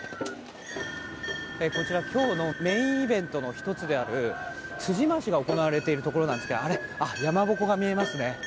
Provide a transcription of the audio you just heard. こちら、今日のメインイベントの１つである辻回しが行わているところなんですが山鉾が見えますね。